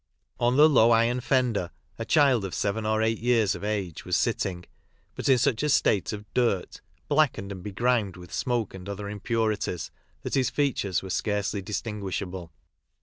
On the low iron fender a child of seven or eight years of age was sitting, but in such a state of dirt, blackened and begrimed with smoke and other impurities, that his features were scarcely distinguish able.